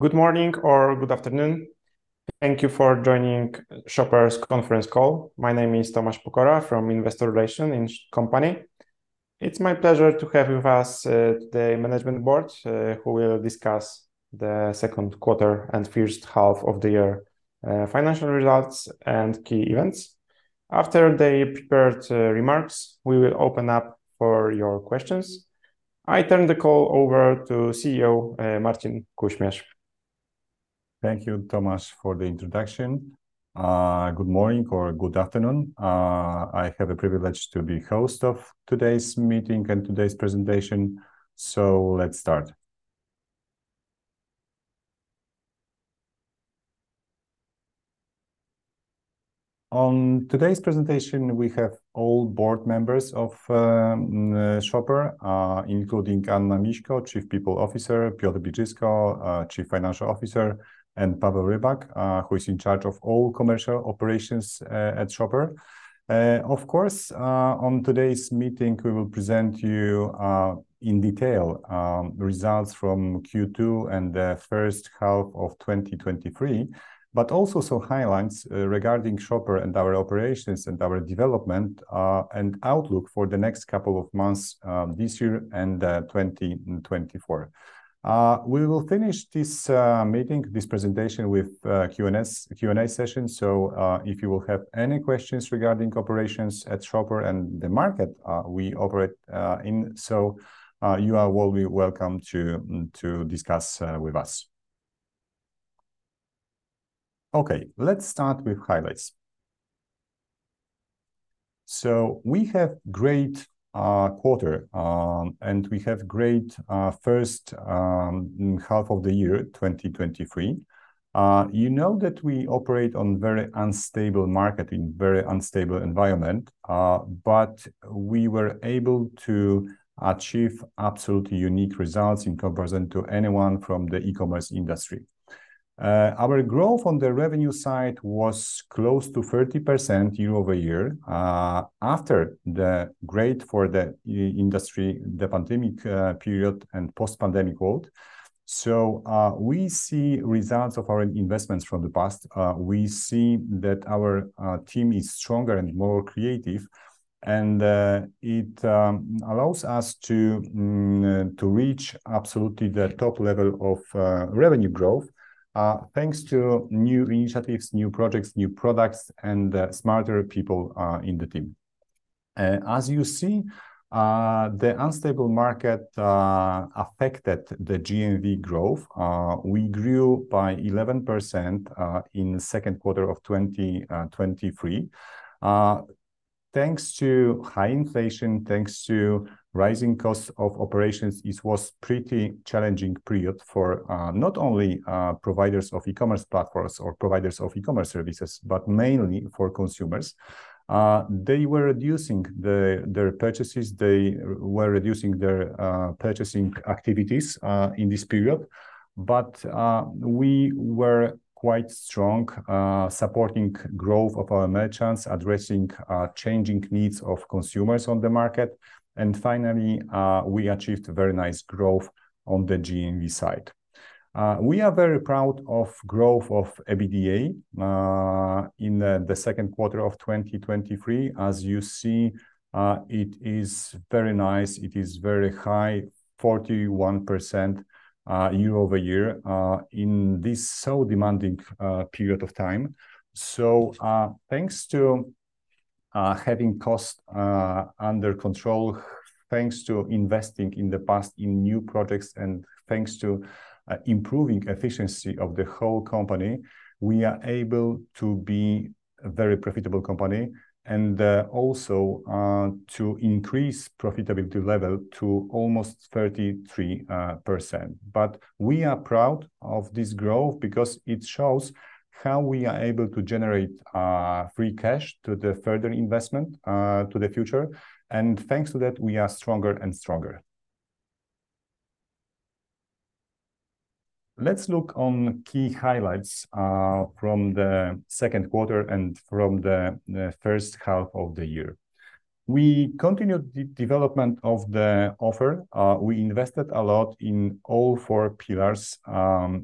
Good morning or good afternoon. Thank you for joining Shoper's conference call. My name is Tomasz Pokora from Investor Relations in company. It's my pleasure to have with us the management board, who will discuss the second quarter and first half of the year financial results and key events. After their prepared remarks, we will open up for your questions. I turn the call over to CEO Marcin Kuśmierz. Thank you, Tomasz, for the introduction. Good morning or good afternoon. I have a privilege to be host of today's meeting and today's presentation, so let's start. On today's presentation, we have all board members of Shoper, including Anna Miśko, Chief People Officer, Piotr Biczysko, Chief Financial Officer, and Paweł Rybak, who is in charge of all commercial operations at Shoper. Of course, on today's meeting, we will present you in detail results from Q2 and the first half of 2023, but also some highlights regarding Shoper and our operations and our development, and outlook for the next couple of months this year and 2024. We will finish this meeting, this presentation with Q&A. Q&A session. If you will have any questions regarding operations at Shoper and the market we operate in, you are warmly welcome to discuss with us. Let's start with highlights. We have great quarter and we have great first half of the year 2023. You know that we operate on very unstable market, in very unstable environment, we were able to achieve absolutely unique results in comparison to anyone from the e-commerce industry. Our growth on the revenue side was close to 30% year-over-year after the great for the e-industry, the pandemic period and post-pandemic world. We see results of our investments from the past. We see that our team is stronger and more creative, and it allows us to reach absolutely the top level of revenue growth, thanks to new initiatives, new projects, new products, and smarter people in the team. As you see, the unstable market affected the GMV growth. We grew by 11% in second quarter of 2023. Thanks to high inflation, thanks to rising costs of operations, it was pretty challenging period for not only providers of e-commerce platforms or providers of e-commerce services, but mainly for consumers. They were reducing their purchases. They were reducing their purchasing activities in this period. We were quite strong supporting growth of our merchants, addressing changing needs of consumers on the market. Finally, we achieved very nice growth on the GMV side. We are very proud of growth of EBITDA in the second quarter of 2023. As you see, it is very nice. It is very high, 41% year-over-year in this so demanding period of time. Thanks to having costs under control, thanks to investing in the past in new projects, and thanks to improving efficiency of the whole company, we are able to be a very profitable company and also to increase profitability level to almost 33%. We are proud of this growth because it shows how we are able to generate free cash to the further investment to the future. Thanks to that, we are stronger and stronger. Let's look on key highlights from the second quarter and from the first half of the year. We continued development of the offer. We invested a lot in all four pillars,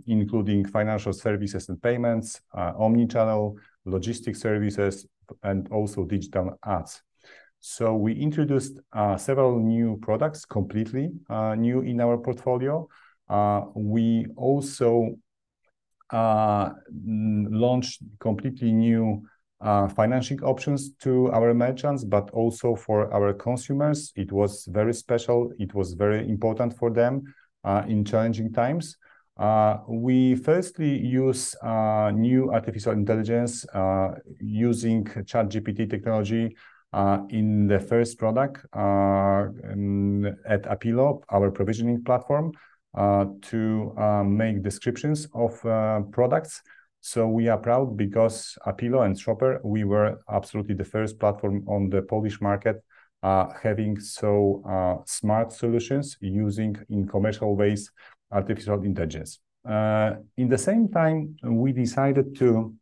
including financial services and payments, omnichannel, logistic services, and also digital ads. We introduced several new products, completely new in our portfolio. We also launched completely new financing options to our merchants, but also for our consumers. It was very special. It was very important for them in challenging times. We firstly use new artificial intelligence using ChatGPT technology in the first product at Apilo, our provisioning platform, to make descriptions of products. We are proud because Apilo and Shoper, we were absolutely the first platform on the Polish market, having so smart solutions using, in commercial ways, artificial intelligence. In the same time, we decided to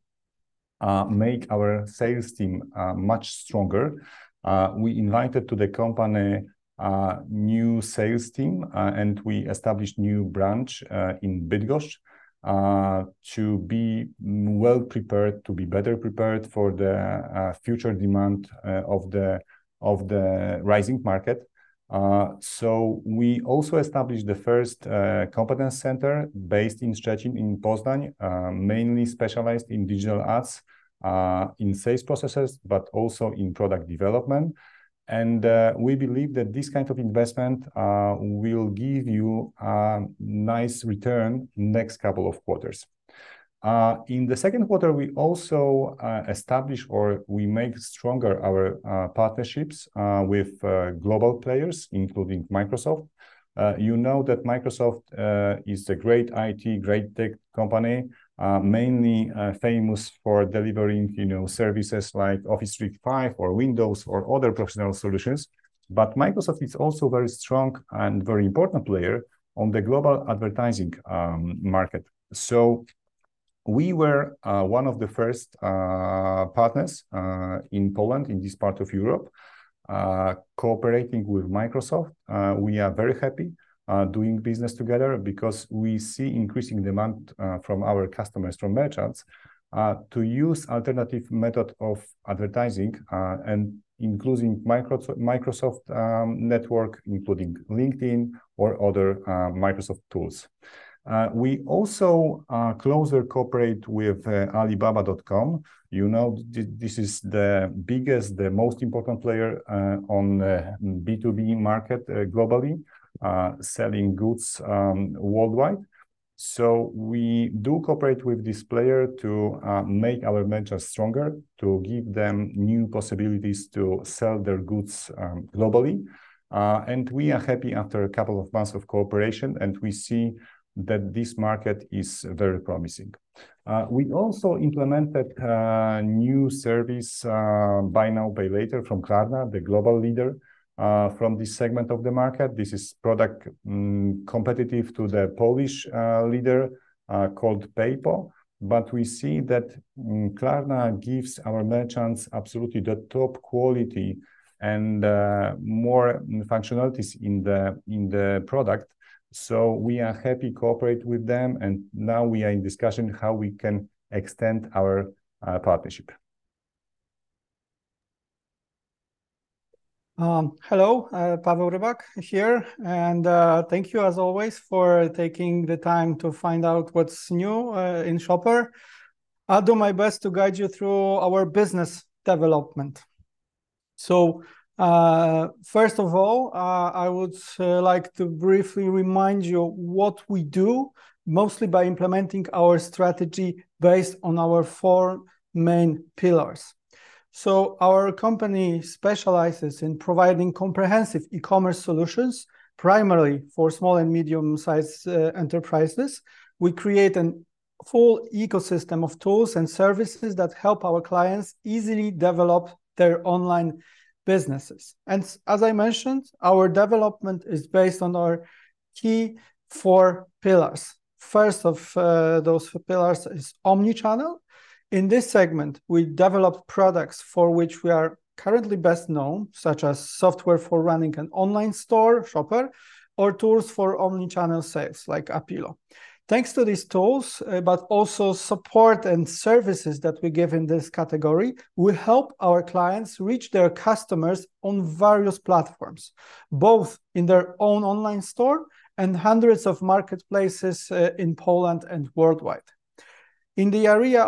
make our sales team much stronger. We invited to the company a new sales team, and we established new branch in Bydgoszcz, to be well-prepared, to be better prepared for the future demand of the rising market. We also established the first competence center based in Szczecin, in Poznań, mainly specialized in digital ads, in sales processes, but also in product development, and we believe that this kind of investment will give you nice return next couple of quarters. In the second quarter, we also established or we make stronger our partnerships with global players, including Microsoft. You know that Microsoft is a great IT, great tech company, mainly famous for delivering, you know, services like Office 365 or Windows or other professional solutions. Microsoft is also very strong and very important player on the global advertising market. We were one of the first partners in Poland, in this part of Europe, cooperating with Microsoft. We are very happy doing business together because we see increasing demand from our customers, from merchants, to use alternative method of advertising, and including Microsoft network, including LinkedIn or other Microsoft tools. We also closer cooperate with alibaba.com. You know, this is the biggest, the most important player on B2B market globally, selling goods worldwide. We do cooperate with this player to make our merchants stronger, to give them new possibilities to sell their goods globally. We are happy after a couple of months of cooperation, and we see that this market is very promising. We also implemented new service, buy now, pay later from Klarna, the global leader from this segment of the market. This is product competitive to the Polish leader called PayPo. We see that Klarna gives our merchants absolutely the top quality and more functionalities in the product, we are happy cooperate with them, and now we are in discussion how we can extend our partnership. Hello, Paweł Rybak here, thank you as always for taking the time to find out what's new in Shoper. I'll do my best to guide you through our business development. First of all, I would like to briefly remind you what we do, mostly by implementing our strategy based on our four main pillars. Our company specializes in providing comprehensive e-commerce solutions, primarily for small and medium-sized enterprises. We create an full ecosystem of tools and services that help our clients easily develop their online businesses. As I mentioned, our development is based on our key four pillars. First of those four pillars is omnichannel. In this segment, we develop products for which we are currently best known, such as software for running an online store, Shoper, or tools for omnichannel sales, like Apilo. Thanks to these tools, but also support and services that we give in this category, we help our clients reach their customers on various platforms, both in their own online store and hundreds of marketplaces in Poland and worldwide. In the area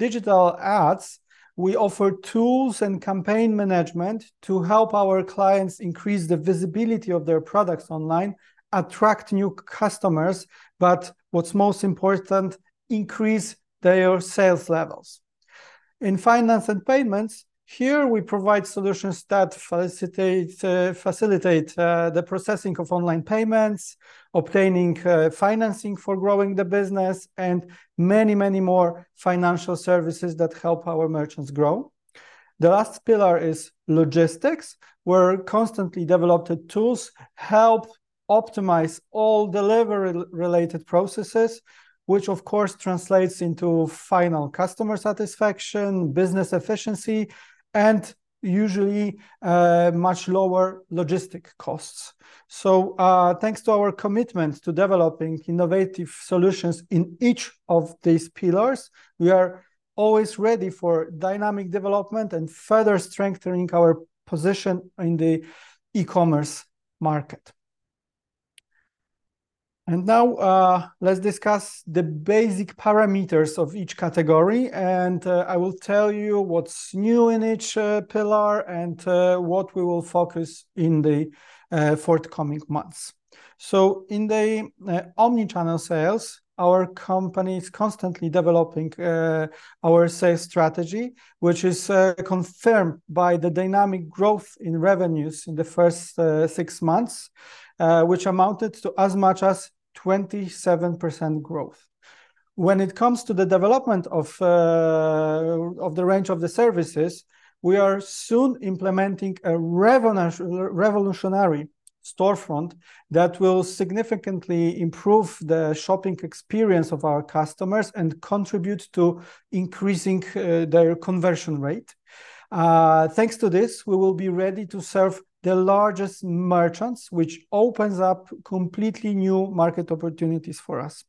of digital ads, we offer tools and campaign management to help our clients increase the visibility of their products online, attract new customers, but what's most important, increase their sales levels. In finance and payments, here we provide solutions that facilitate the processing of online payments, obtaining financing for growing the business, and many, many more financial services that help our merchants grow. The last pillar is logistics, where constantly developed tools help optimize all delivery related processes, which of course translates into final customer satisfaction, business efficiency, and usually much lower logistic costs. Thanks to our commitment to developing innovative solutions in each of these pillars, we are always ready for dynamic development and further strengthening our position in the e-commerce market. Now, let's discuss the basic parameters of each category, and I will tell you what's new in each pillar and what we will focus in the forthcoming months. In the omnichannel sales, our company is constantly developing our sales strategy, which is confirmed by the dynamic growth in revenues in the first six months, which amounted to as much as 27% growth. When it comes to the development of the range of the services, we are soon implementing a revolutionary Storefront that will significantly improve the shopping experience of our customers and contribute to increasing their conversion rate. Thanks to this, we will be ready to serve the largest merchants, which opens up completely new market opportunities for us.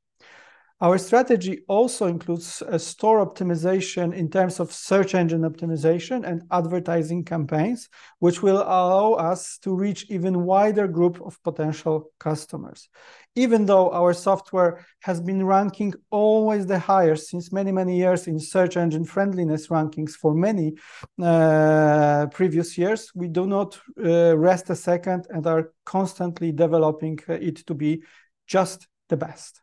Our strategy also includes a store optimization in terms of search engine optimization and advertising campaigns, which will allow us to reach even wider group of potential customers. Even though our software has been ranking always the highest since many years in search engine friendliness rankings for many previous years, we do not rest a second and are constantly developing it to be just the best.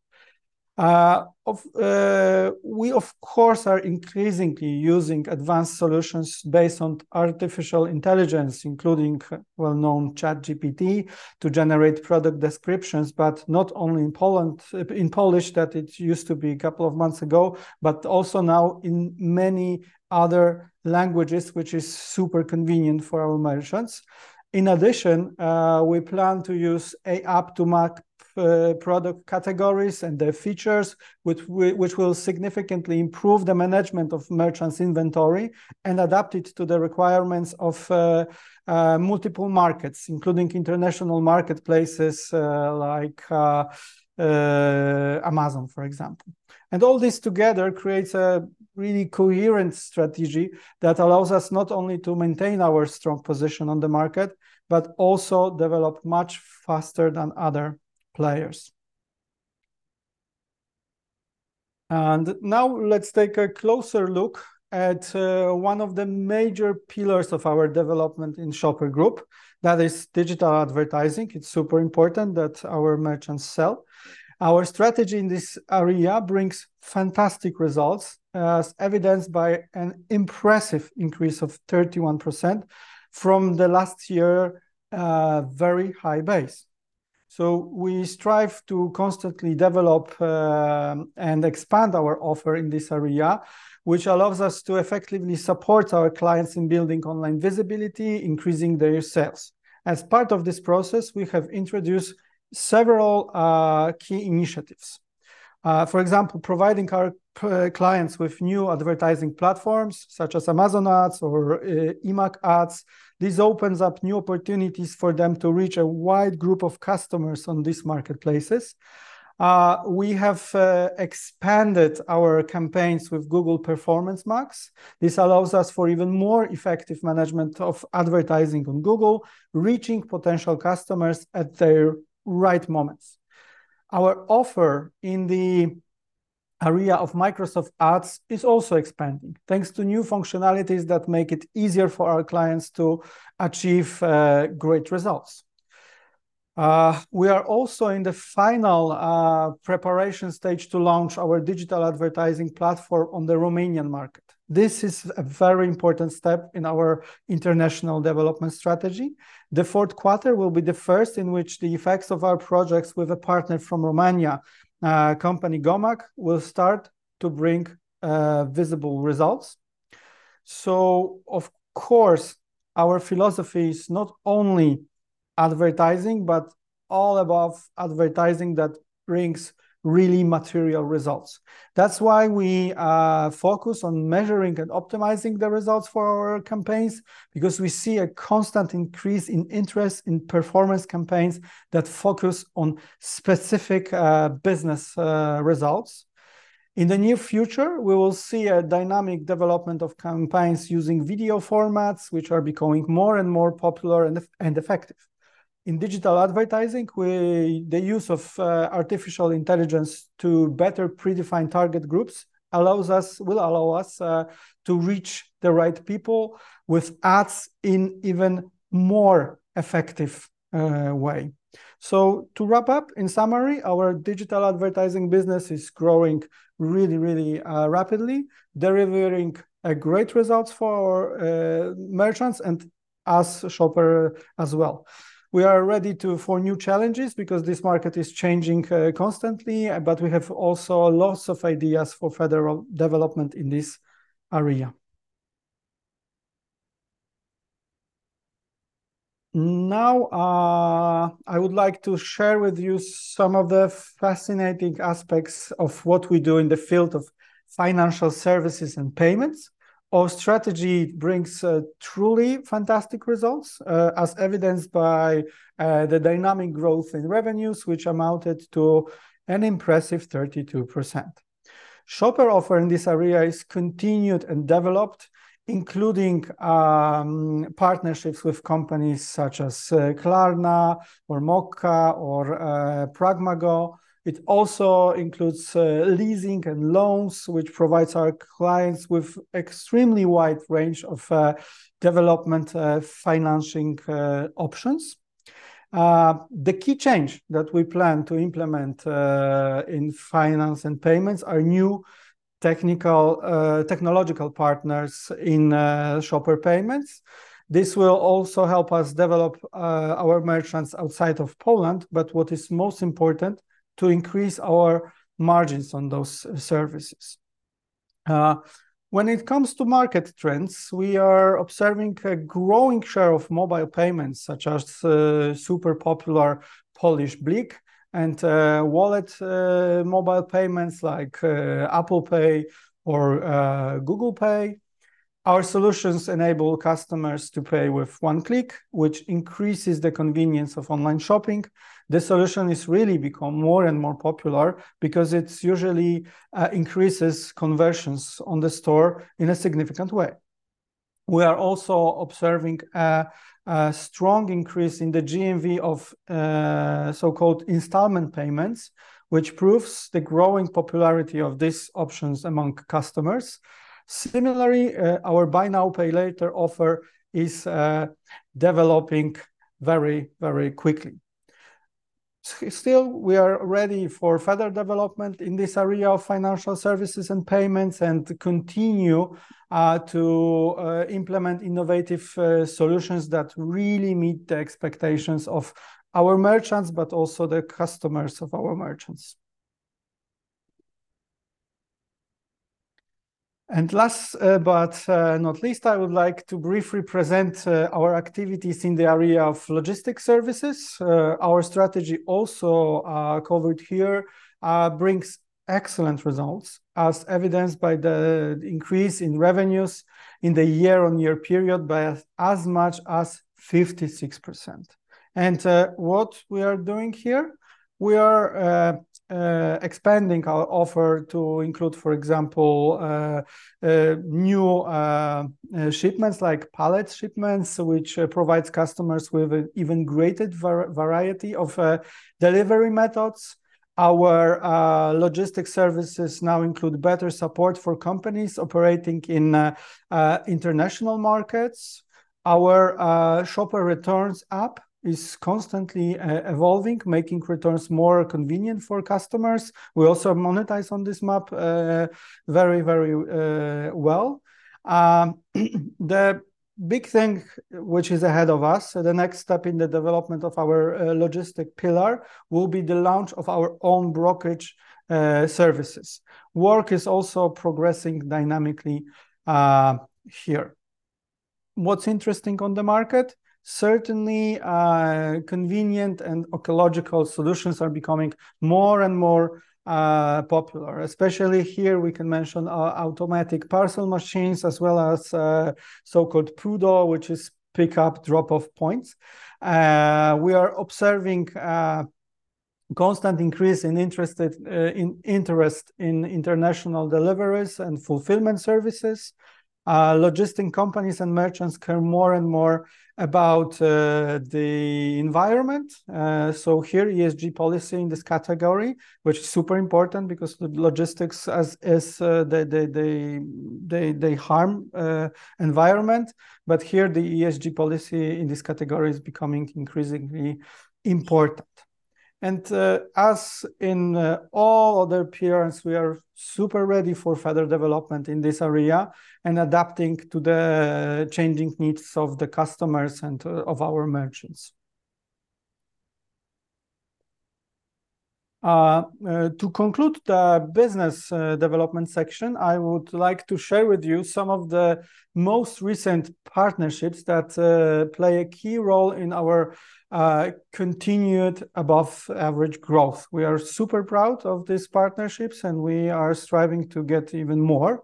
We, of course, are increasingly using advanced solutions based on artificial intelligence, including well-known ChatGPT, to generate product descriptions, but not only in Poland, in Polish that it used to be a couple of months ago, but also now in many other languages, which is super convenient for our merchants. In addition, we plan to use a app to mark product categories and their features, which will significantly improve the management of merchants' inventory and adapt it to the requirements of multiple markets, including international marketplaces, like Amazon, for example. All this together creates a really coherent strategy that allows us not only to maintain our strong position on the market, but also develop much faster than other players. Now let's take a closer look at one of the major pillars of our development in Shoper Group, that is digital advertising. It's super important that our merchants sell. Our strategy in this area brings fantastic results, as evidenced by an impressive increase of 31% from the last year, very high base. We strive to constantly develop and expand our offer in this area, which allows us to effectively support our clients in building online visibility, increasing their sales. As part of this process, we have introduced several key initiatives. For example, providing our clients with new advertising platforms, such as Amazon Ads or eMAG Ads. This opens up new opportunities for them to reach a wide group of customers on these marketplaces. We have expanded our campaigns with Google Performance Max. This allows us for even more effective management of advertising on Google, reaching potential customers at their right moments. Our offer in the area of Microsoft Ads is also expanding, thanks to new functionalities that make it easier for our clients to achieve great results. We are also in the final preparation stage to launch our digital advertising platform on the Romanian market. This is a very important step in our international development strategy. The fourth quarter will be the first in which the effects of our projects with a partner from Romania, company Gomag, will start to bring visible results. Of course, our philosophy is not only advertising, but all above advertising that brings really material results. That's why we focus on measuring and optimizing the results for our campaigns, because we see a constant increase in interest in performance campaigns that focus on specific business results. In the near future, we will see a dynamic development of campaigns using video formats, which are becoming more and more popular and effective. In digital advertising, the use of artificial intelligence to better predefine target groups allows us to reach the right people with ads in even more effective way. To wrap up, in summary, our digital advertising business is growing really rapidly, delivering great results for our merchants and us Shoper as well. We are ready for new challenges, because this market is changing constantly, but we have also lots of ideas for further development in this area. Now, I would like to share with you some of the fascinating aspects of what we do in the field of financial services and payments. Our strategy brings truly fantastic results, as evidenced by the dynamic growth in revenues, which amounted to an impressive 32%. Shoper offer in this area is continued and developed, including partnerships with companies such as Klarna or Mokka or PragmaGo. It also includes leasing and loans, which provides our clients with extremely wide range of development financing options. The key change that we plan to implement in finance and payments are new technical, technological partners in Shoper Payments. This will also help us develop our merchants outside of Poland, but what is most important, to increase our margins on those services. When it comes to market trends, we are observing a growing share of mobile payments such as super popular Polish BLIK and wallet mobile payments like Apple Pay or Google Pay. Our solutions enable customers to pay with one click, which increases the convenience of online shopping. This solution is really become more and more popular because it's usually increases conversions on the store in a significant way. We are also observing a strong increase in the GMV of so-called installment payments, which proves the growing popularity of these options among customers. Similarly, our buy now, pay later offer is developing very quickly. Still, we are ready for further development in this area of financial services and payments, and to continue to implement innovative solutions that really meet the expectations of our merchants, but also the customers of our merchants. Last, but not least, I would like to briefly present our activities in the area of logistic services. Our strategy also covered here brings excellent results as evidenced by the increase in revenues in the year-on-year period by as much as 56%. What we are doing here, we are expanding our offer to include, for example, new shipments, like pallet shipments, which provides customers with an even greater variety of delivery methods. Our logistics services now include better support for companies operating in international markets. Our Shoper Returns app is constantly evolving, making returns more convenient for customers. We also monetize on this app very well. The big thing which is ahead of us, the next step in the development of our logistics pillar, will be the launch of our own brokerage services. Work is also progressing dynamically here. What's interesting on the market, certainly, convenient and ecological solutions are becoming more and more popular. Especially here, we can mention automatic parcel machines as well as so-called PUDO, which is pick-up drop-off points. We are observing constant increase in interest in international deliveries and fulfillment services. Logistic companies and merchants care more and more about the environment. Here ESG policy in this category, which is super important because the logistics as they harm environment. Here, the ESG policy in this category is becoming increasingly important. As in all other pillars, we are super ready for further development in this area and adapting to the changing needs of the customers and of our merchants. To conclude the business development section, I would like to share with you some of the most recent partnerships that play a key role in our continued above average growth. We are super proud of these partnerships, and we are striving to get even more.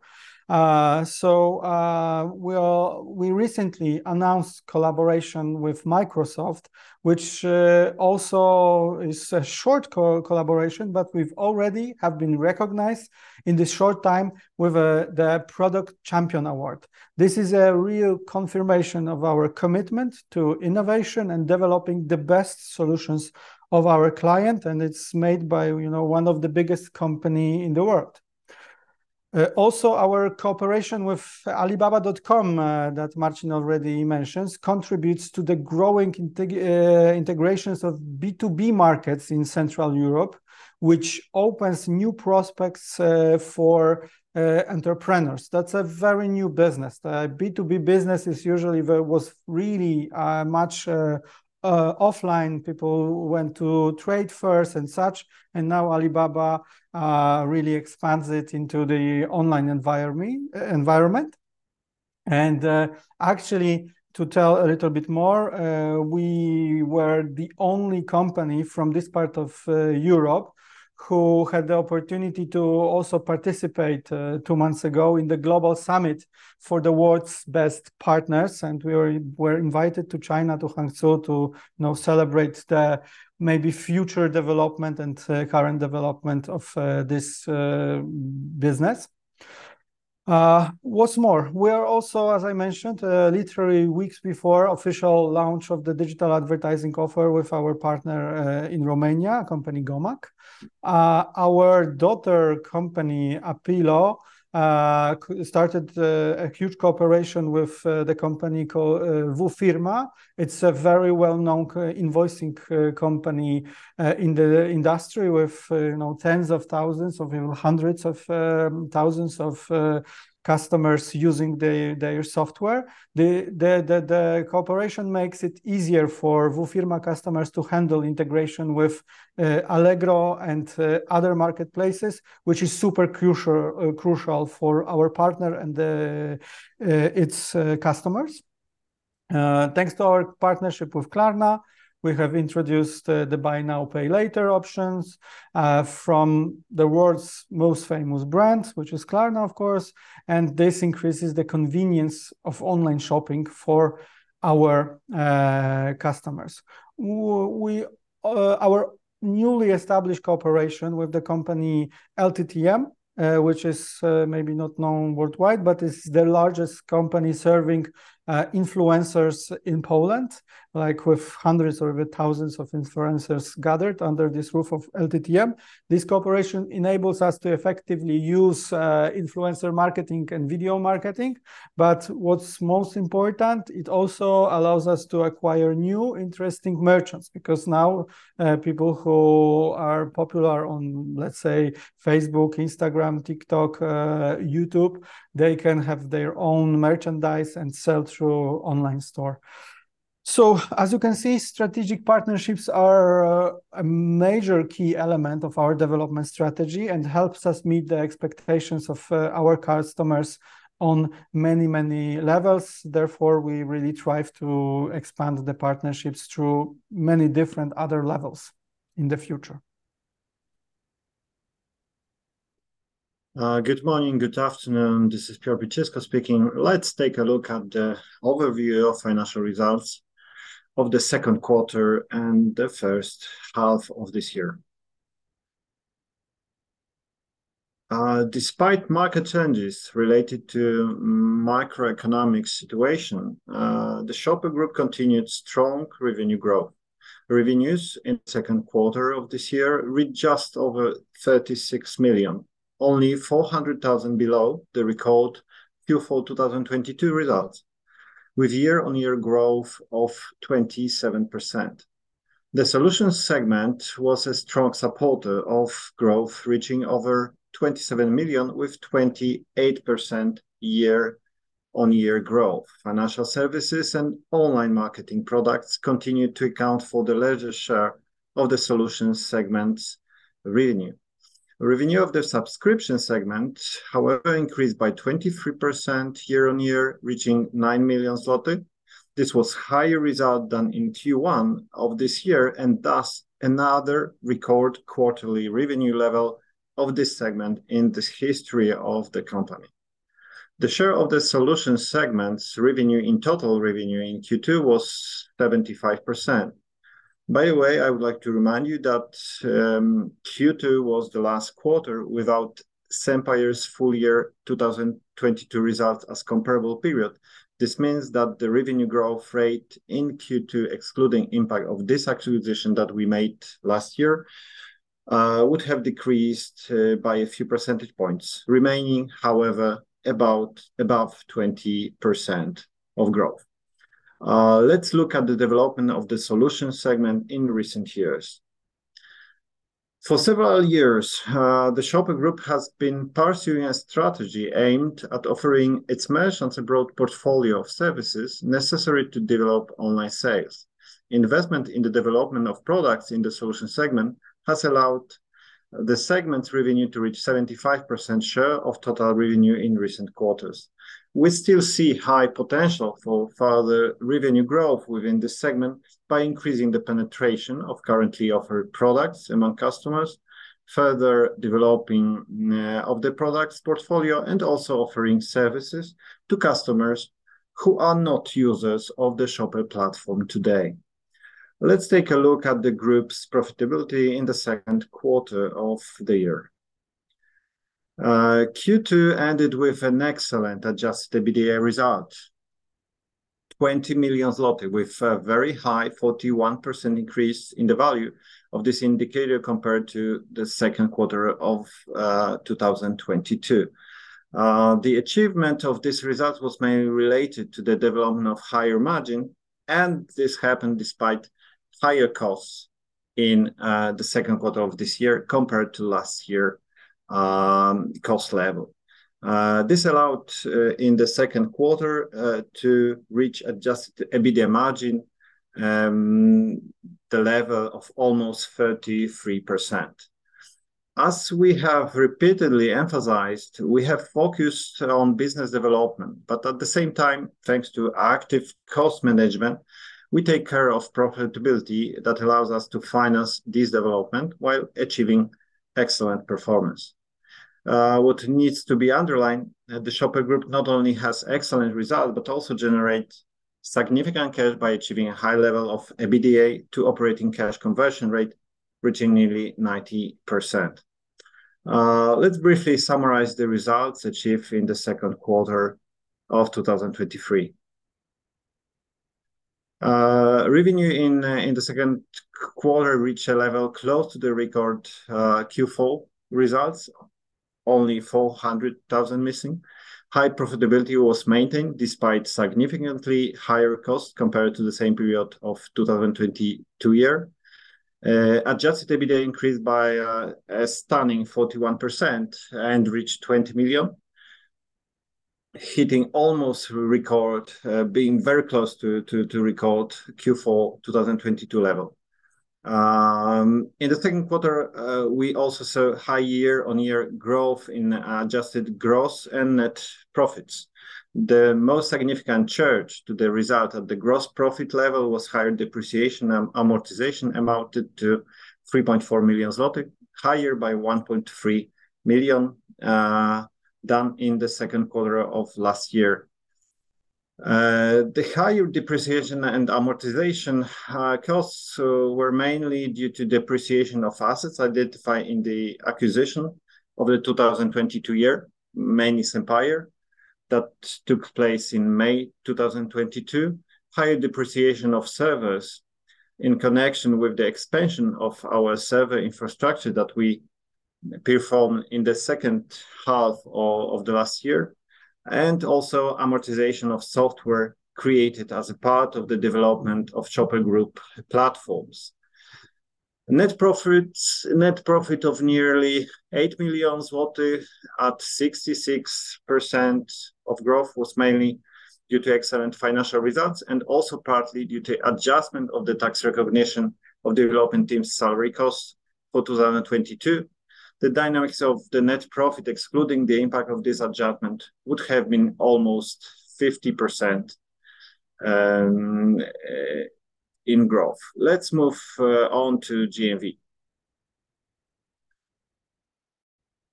We recently announced collaboration with Microsoft, which also is a short collaboration, but we've already have been recognized in this short time with the Product Champion Award. This is a real confirmation of our commitment to innovation and developing the best solutions of our client, and it's made by, you know, one of the biggest company in the world. Also, our cooperation with alibaba.com that Marcin already mentions, contributes to the growing integrations of B2B markets in Central Europe, which opens new prospects for entrepreneurs. That's a very new business. The B2B business is usually very, was really much offline. People went to trade first and such, now Alibaba really expands it into the online environment. Actually, to tell a little bit more, we were the only company from this part of Europe who had the opportunity to also participate two months ago in the global summit for the world's best partners. We're invited to China, to Hangzhou to, you know, celebrate the maybe future development and current development of this business. What's more, we are also, as I mentioned, literally weeks before official launch of the digital advertising offer with our partner in Romania, a company Gomag. Our daughter company, Apilo, started a huge cooperation with the company called wFirma. It's a very well-known invoicing company in the industry with, you know, tens of thousands of hundreds of thousands of Customers using their software. The cooperation makes it easier for wFirma customers to handle integration with Allegro and other marketplaces, which is super crucial for our partner and its customers. Thanks to our partnership with Klarna, we have introduced the buy now, pay later options from the world's most famous brand, which is Klarna, of course, and this increases the convenience of online shopping for our customers. We, our newly established cooperation with the company LTTM, which is, maybe not known worldwide, but it's the largest company serving influencers in Poland, like, with hundreds or thousands of influencers gathered under this roof of LTTM. This cooperation enables us to effectively use influencer marketing and video marketing. What's most important, it also allows us to acquire new interesting merchants, because now, people who are popular on, let's say, Facebook, Instagram, TikTok, YouTube, they can have their own merchandise and sell through online store. As you can see, strategic partnerships are a major key element of our development strategy and helps us meet the expectations of our customers on many, many levels. We really strive to expand the partnerships through many different other levels in the future. Good morning, good afternoon. This is Piotr Biczysko speaking. Let's take a look at the overview of financial results of the second quarter and the first half of this year. Despite market changes related to macroeconomic situation, the Shoper Group continued strong revenue growth. Revenues in the second quarter of this year reached just over 36 million, only 400,000 below the record Q4 2022 results, with year-on-year growth of 27%. The solutions segment was a strong supporter of growth, reaching over 27 million, with 28% year-on-year growth. Financial services and online marketing products continued to account for the larger share of the solutions segment's revenue. Revenue of the subscription segment, however, increased by 23% year-on-year, reaching 9 million zlotys. This was higher result than in Q1 of this year, thus another record quarterly revenue level of this segment in the history of the company. The share of the solutions segment's revenue in total revenue in Q2 was 75%. By the way, I would like to remind you that Q2 was the last quarter without Sempire's full year 2022 results as comparable period. This means that the revenue growth rate in Q2, excluding impact of this acquisition that we made last year, would have decreased by a few percentage points, remaining, however, about above 20% of growth. Let's look at the development of the solutions segment in recent years. For several years, the Shoper Group has been pursuing a strategy aimed at offering its merchants a broad portfolio of services necessary to develop online sales. Investment in the development of products in the solutions segment has allowed the segment's revenue to reach 75% share of total revenue in recent quarters. We still see high potential for further revenue growth within this segment by increasing the penetration of currently offered products among customers, further developing of the products portfolio, and also offering services to customers who are not users of the Shoper platform today. Let's take a look at the group's profitability in the second quarter of the year. Q2 ended with an excellent adjusted EBITDA result, 20 million zloty, with a very high 41% increase in the value of this indicator compared to the second quarter of 2022. The achievement of this result was mainly related to the development of higher margin, and this happened despite higher costs in the second quarter of this year compared to last year, cost level. This allowed in the second quarter to reach adjusted EBITDA margin, the level of almost 33%. As we have repeatedly emphasized, we have focused on business development, but at the same time, thanks to active cost management, we take care of profitability that allows us to finance this development while achieving excellent performance. What needs to be underlined, the Shoper Group not only has excellent result, but also generates significant cash by achieving a high level of EBITDA to operating cash conversion rate, reaching nearly 90%. Let's briefly summarize the results achieved in the second quarter of 2023. Revenue in the second quarter reached a level close to the record Q4 results, only 400,000 missing. High profitability was maintained despite significantly higher cost compared to the same period of 2022. Adjusted EBITDA increased by a stunning 41% and reached 20 million. Hitting almost record, being very close to record Q4, 2022 level. In the second quarter, we also saw high year-on-year growth in adjusted gross and net profits. The most significant change to the result of the gross profit level was higher depreciation and amortization amounted to 3.4 million zloty, higher by 1.3 million than in the second quarter of last year. The higher depreciation and amortization costs were mainly due to depreciation of assets identified in the acquisition of the 2022 year, mainly Sempire, that took place in May 2022. Higher depreciation of servers in connection with the expansion of our server infrastructure that we perform in the second half of the last year, and also amortization of software created as a part of the development of Shoper Group platforms. Net profit of nearly 8 million zloty at 66% of growth was mainly due to excellent financial results, and also partly due to adjustment of the tax recognition of development teams' salary costs for 2022. The dynamics of the net profit, excluding the impact of this adjustment, would have been almost 50% in growth. Let's move on to GMV.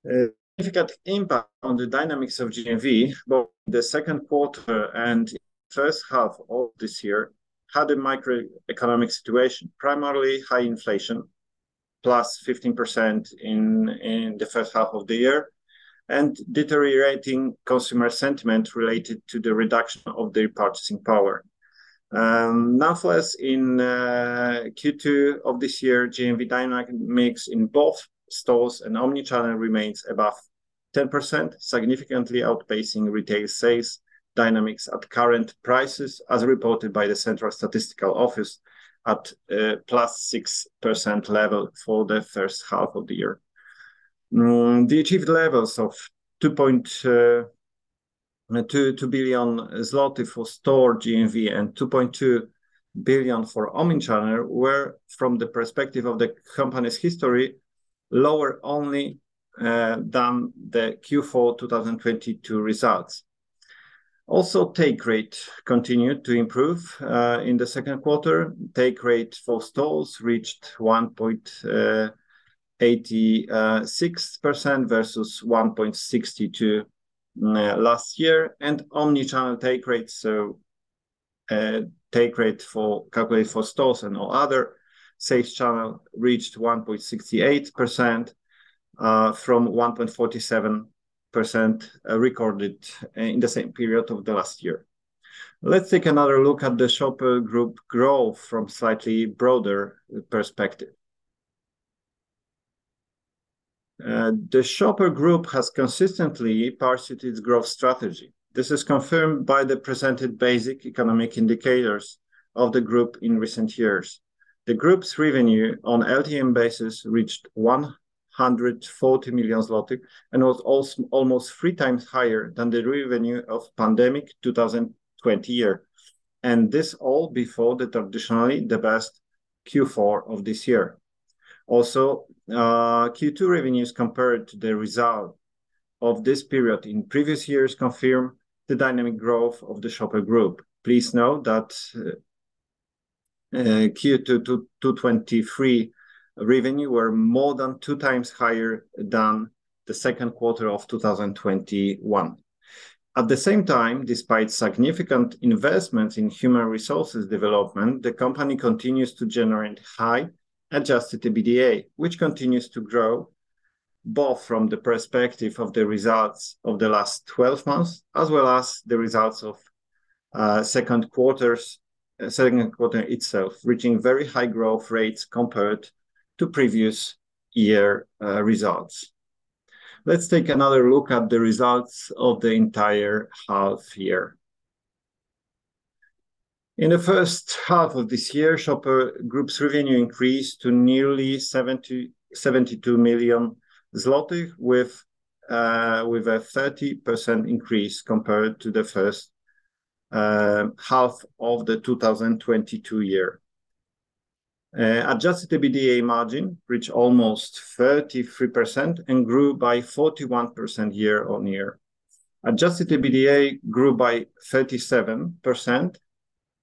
A significant impact on the dynamics of GMV, both the second quarter and first half of this year, had a macroeconomic situation, primarily high inflation, +15% in the first half of the year, and deteriorating consumer sentiment related to the reduction of their purchasing power. Nonetheless, in Q2 of this year, GMV dynamic mix in both stores and omnichannel remains above 10%, significantly outpacing retail sales dynamics at current prices, as reported by the Central Statistical Office at +6% level for the first half of the year. The achieved levels of 2.2 billion zloty for store GMV and 2.2 billion for omnichannel were, from the perspective of the company's history, lower only than the Q4 2022 results. Also, take rate continued to improve in the second quarter. Take rate for stores reached 1.86% versus 1.62% last year. Omnichannel take rates, so, take rate for, calculated for stores and all other sales channel, reached 1.68% from 1.47% recorded in the same period of the last year. Let's take another look at the Shoper Group growth from slightly broader perspective. The Shoper Group has consistently pursued its growth strategy. This is confirmed by the presented basic economic indicators of the group in recent years. The group's revenue on LTM basis reached 140 million zloty and was almost three times higher than the revenue of pandemic 2020 year. This all before the traditionally the best Q4 of this year. Also, Q2 revenues compared to the result of this period in previous years confirm the dynamic growth of the Shoper Group. Please note that Q2 2023 revenue were more than 2x higher than the Q2 of 2021. At the same time, despite significant investments in human resources development, the company continues to generate high adjusted EBITDA, which continues to grow, both from the perspective of the results of the last twelve months, as well as the results of the second quarter itself, reaching very high growth rates compared to previous year results. Let's take another look at the results of the entire half year. In the first half of this year, Shoper Group's revenue increased to nearly 72 million with a 30% increase compared to the first half of 2022. Adjusted EBITDA margin reached almost 33% and grew by 41% year-on-year. Adjusted EBITDA grew by 37%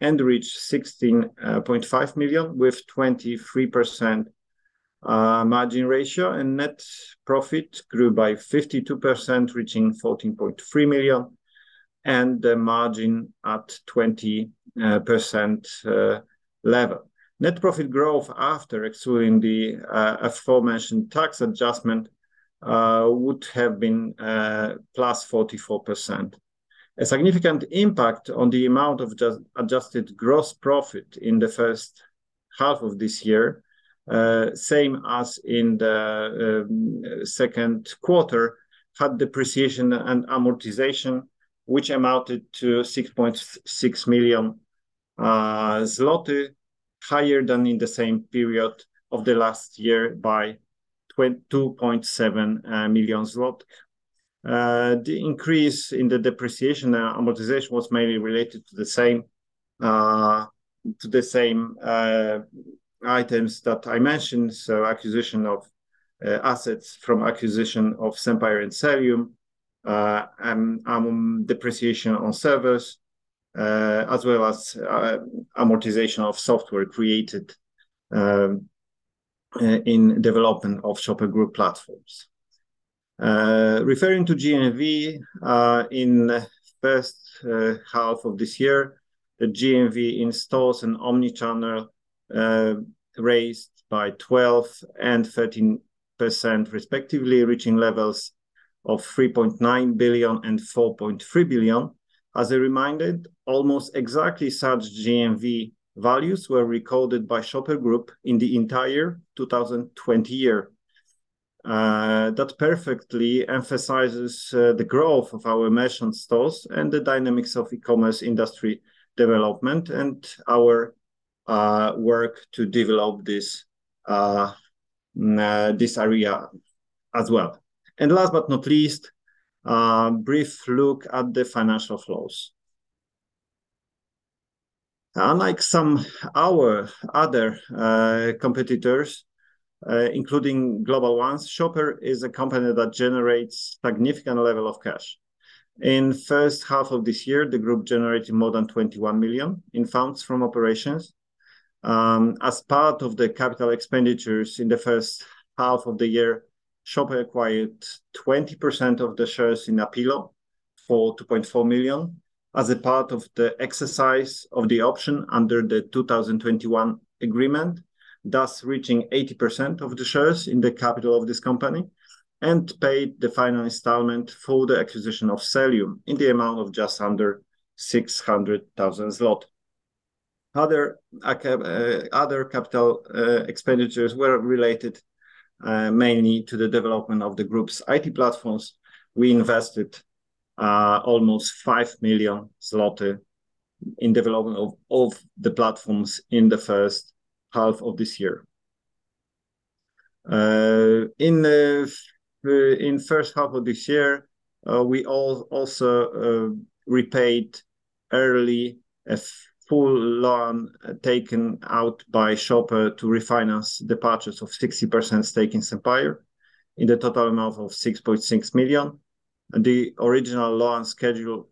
and reached 16.5 million with 23% margin ratio, and net profit grew by 52%, reaching 14.3 million, and the margin at 20% level. Net profit growth after excluding the aforementioned tax adjustment would have been +44%. A significant impact on the amount of adjusted gross profit in the first half of this year, same as in the second quarter, had depreciation and amortization, which amounted to 6.6 million zloty higher than in the same period of the last year by 2.7 million zloty. The increase in the depreciation, amortization was mainly related to the same items that I mentioned, so acquisition of assets from acquisition of Sempire and Selium. Depreciation on servers, as well as amortization of software created in development of Shoper Group platforms. Referring to GMV, in first half of this year, the GMV in stores and omnichannel, raised by 12% and 13% respectively, reaching levels of 3.9 billion and 4.3 billion. As a reminder, almost exactly such GMV values were recorded by Shoper Group in the entire 2020 year. That perfectly emphasizes the growth of our mentioned stores and the dynamics of e-commerce industry development and our work to develop this area as well. Last but not least, a brief look at the financial flows. Unlike some our other competitors, including global ones, Shoper is a company that generates significant level of cash. In first half of this year, the group generated more than 21 million in funds from operations. As part of the capital expenditures in the first half of the year, Shoper acquired 20% of the shares in Apilo for 2.4 million as a part of the exercise of the option under the 2021 agreement, thus reaching 80% of the shares in the capital of this company and paid the final installment for the acquisition of Selium in the amount of just under 600,000 zloty. Other capital expenditures were related mainly to the development of the group's IT platforms. We invested almost 5 million zloty in development of the platforms in the first half of this year. In first half of this year, we also repaid early a full loan taken out by Shoper to refinance the purchase of 60% stake in Sempire in the total amount of 6.6 million. The original loan schedule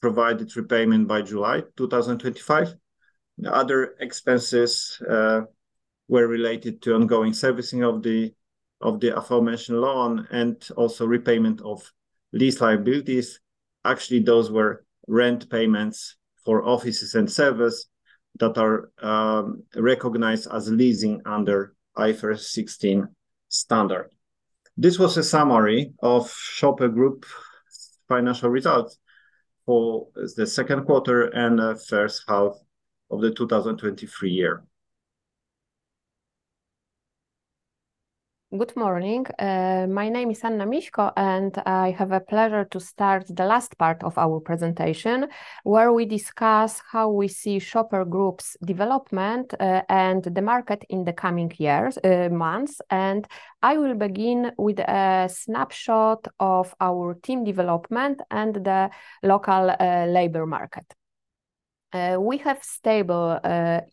provided repayment by July 2025. The other expenses were related to ongoing servicing of the aforementioned loan and also repayment of lease liabilities. Actually, those were rent payments for offices and servers that are recognized as leasing under IFRS 16 standard. This was a summary of Shoper Group financial results for the second quarter and first half of the 2023 year. Good morning. My name is Anna Miśko, I have a pleasure to start the last part of our presentation, where we discuss how we see Shoper Group's development and the market in the coming years, months. I will begin with a snapshot of our team development and the local labor market. We have stable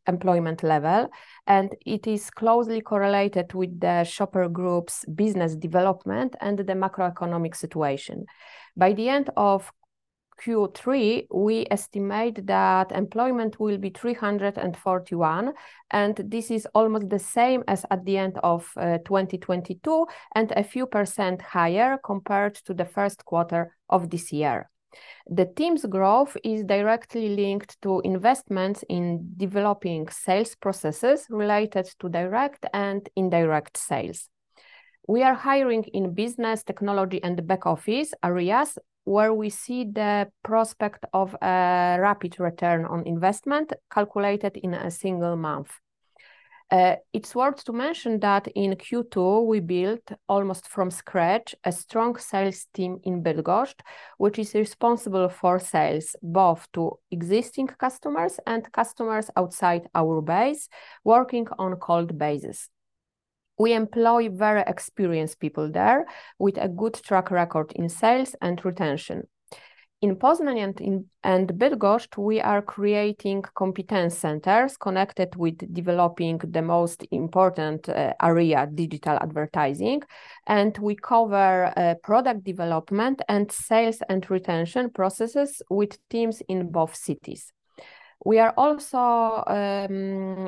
employment level, and it is closely correlated with the Shoper Group's business development and the macroeconomic situation. By the end of Q3, we estimate that employment will be 341, and this is almost the same as at the end of 2022, and a few percent higher compared to the first quarter of this year. The team's growth is directly linked to investments in developing sales processes related to direct and indirect sales. We are hiring in business, technology, and back office areas where we see the prospect of a rapid return on investment calculated in a single month. It's worth to mention that in Q2, we built almost from scratch a strong sales team in Bydgoszcz, which is responsible for sales both to existing customers and customers outside our base working on cold bases. We employ very experienced people there with a good track record in sales and retention. In Poznań and Bydgoszcz, we are creating competence centers connected with developing the most important area, digital advertising, and we cover product development and sales and retention processes with teams in both cities. We are also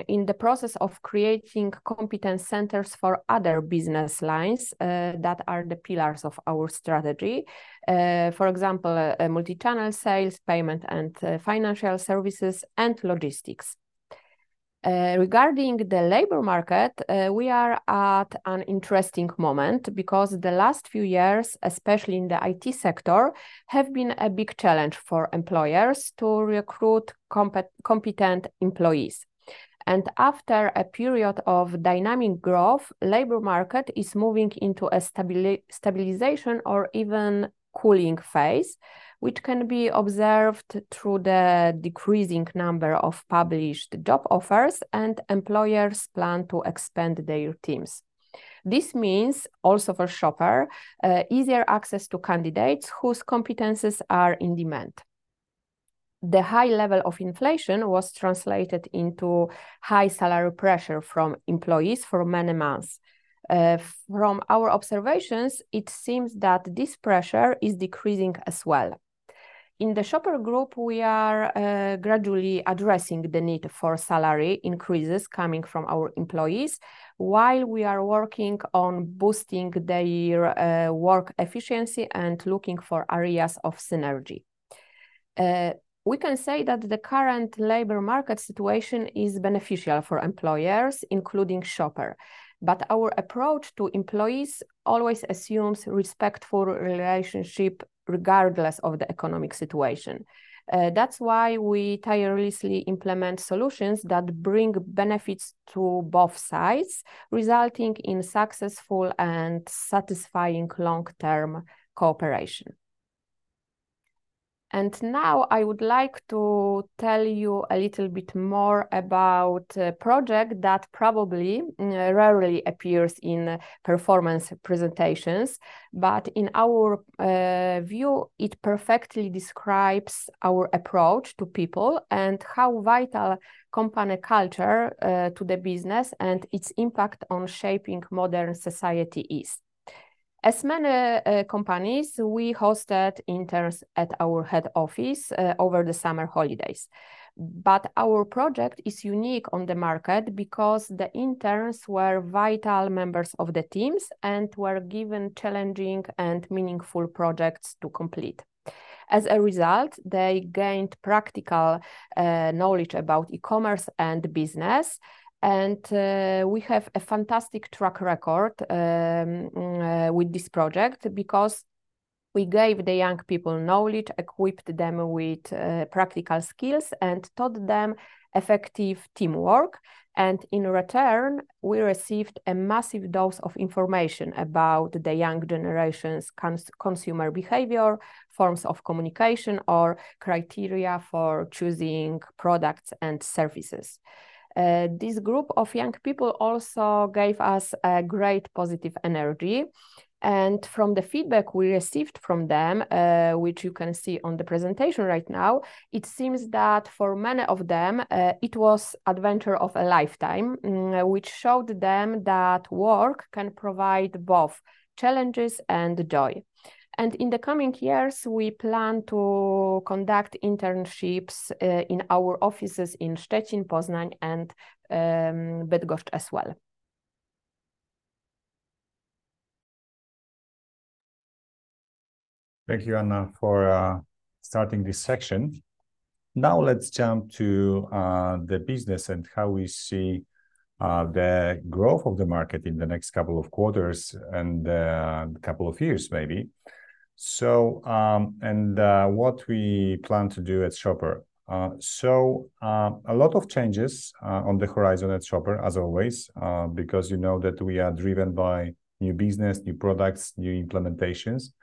in the process of creating competence centers for other business lines that are the pillars of our strategy, for example, multi-channel sales, payment and financial services, and logistics. Regarding the labor market, we are at an interesting moment because the last few years, especially in the IT sector, have been a big challenge for employers to recruit competent employees. After a period of dynamic growth, labor market is moving into a stabilization or even cooling phase, which can be observed through the decreasing number of published job offers and employers' plan to expand their teams. This means also for Shoper easier access to candidates whose competences are in demand. From our observations, it seems that this pressure is decreasing as well. In the Shoper Group, we are gradually addressing the need for salary increases coming from our employees while we are working on boosting their work efficiency and looking for areas of synergy. We can say that the current labor market situation is beneficial for employers, including Shoper, but our approach to employees always assumes respectful relationship regardless of the economic situation. That's why we tirelessly implement solutions that bring benefits to both sides, resulting in successful and satisfying long-term cooperation. Now I would like to tell you a little bit more about a project that probably rarely appears in performance presentations, but in our view it perfectly describes our approach to people and how vital company culture to the business and its impact on shaping modern society is. As many companies, we hosted interns at our head office over the summer holidays, but our project is unique on the market because the interns were vital members of the teams and were given challenging and meaningful projects to complete. As a result, they gained practical knowledge about e-commerce and business, and we have a fantastic track record with this project because we gave the young people knowledge, equipped them with practical skills and taught them effective teamwork, and in return, we received a massive dose of information about the young generation's consumer behavior, forms of communication or criteria for choosing products and services. This group of young people also gave us a great positive energy, and from the feedback we received from them, which you can see on the presentation right now, it seems that for many of them, it was adventure of a lifetime, which showed them that work can provide both challenges and joy. In the coming years, we plan to conduct internships in our offices in Szczecin, Poznań and Bydgoszcz as well. Thank you Anna for starting this section. Now let's jump to the business and how we see the growth of the market in the next couple of quarters and couple of years maybe. What we plan to do at Shoper. A lot of changes on the horizon at Shoper as always, because you know that we are driven by new business, new products, new implementations,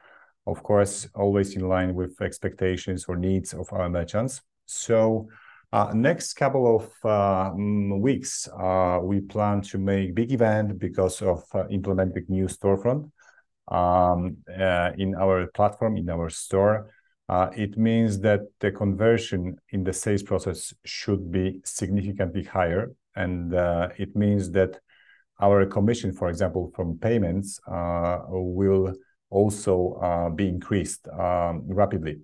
of course always in line with expectations or needs of our merchants. Next couple of weeks we plan to make big event because of implementing new storefront in our platform, in our store. It means that the conversion in the sales process should be significantly higher and it means that our commission, for example, from payments, will also be increased rapidly.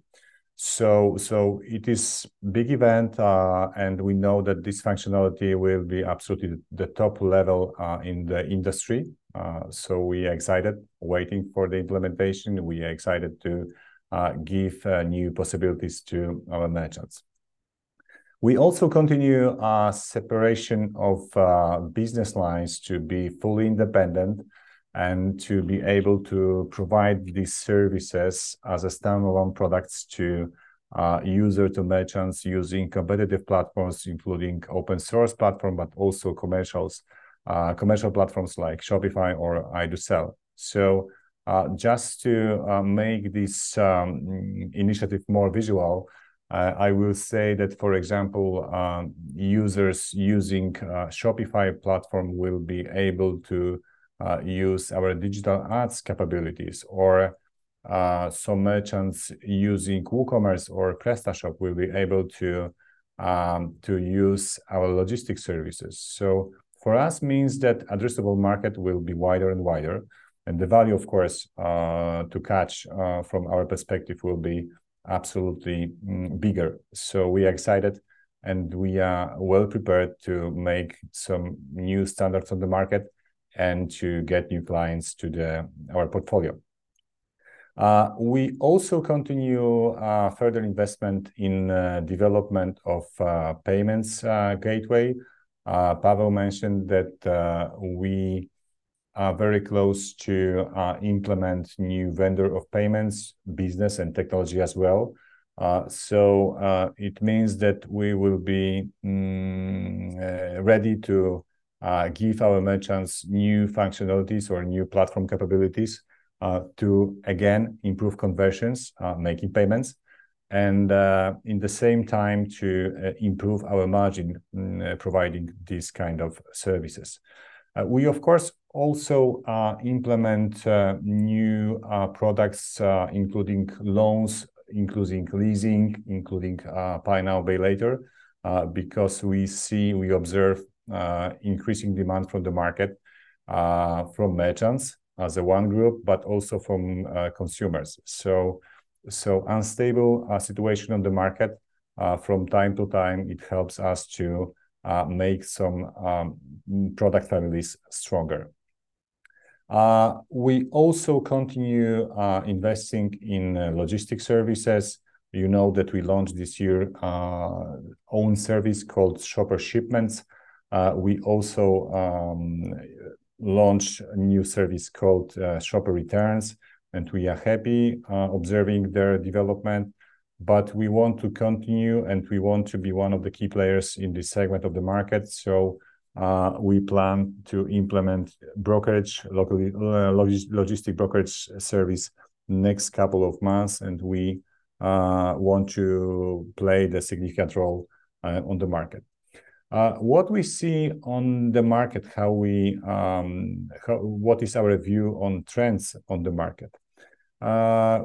It is big event and we know that this functionality will be absolutely the top level in the industry. We are excited waiting for the implementation. We are excited to give new possibilities to our merchants. We also continue a separation of business lines to be fully independent and to be able to provide these services as a standalone products to user to merchants using competitive platforms, including open source platform, but also commercial platforms like Shopify or IdoSell. Just to make this initiative more visual, I will say that for example, users using Shopify platform will be able to use our digital ads capabilities or some merchants using WooCommerce or PrestaShop will be able to use our logistics services. For us means that addressable market will be wider and wider, and the value of course to catch from our perspective will be absolutely bigger. We are excited and we are well prepared to make some new standards on the market and to get new clients to our portfolio. We also continue further investment in development of payment gateway. Paweł mentioned that we are very close to implement new vendor of payments business and technology as well. It means that we will be ready to give our merchants new functionalities or new platform capabilities to again improve conversions, making payments and in the same time to improve our margin providing these kind of services. We of course also implement new products including loans, including leasing, including buy now, pay later because we see, we observe increasing demand from the market from merchants as one group, but also from consumers. Unstable situation on the market from time to time helps us to make some product families stronger. We also continue investing in logistics services. You know that we launched this year own service called Shoper Shipments. We also launched a new service called Shoper Returns, and we are happy observing their development. We want to continue, and we want to be one of the key players in this segment of the market, so we plan to implement brokerage locally, logistic brokerage service next couple of months, and we want to play the significant role on the market. What is our view on trends on the market?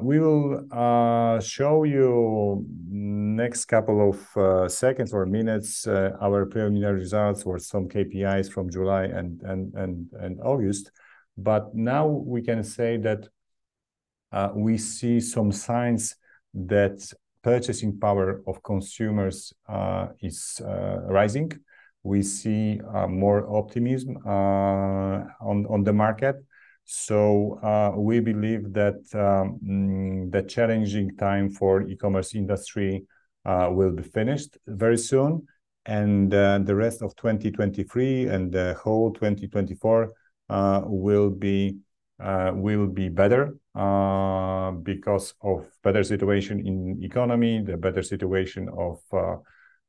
We will show you next couple of seconds or minutes our preliminary results or some KPIs from July and August. Now we can say that we see some signs that purchasing power of consumers is rising. We see more optimism on the market. We believe that the challenging time for e-commerce industry will be finished very soon. The rest of 2023 and the whole 2024 will be better because of better situation in economy, the better situation